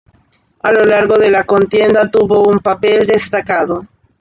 A lo largo de la contienda tuvo un papel destacado.